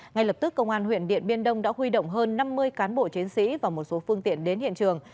ngay lập tức công an huyện điện biên đông đã huy động hơn năm mươi cán bộ chiến sĩ và một số phương tiện đến hiện trường